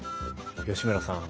吉村さん